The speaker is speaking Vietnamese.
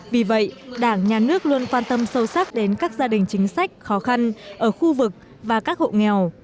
vì vậy đảng nhà nước luôn quan tâm sâu sắc đến các gia đình chính sách khó khăn ở khu vực và các hộ nghèo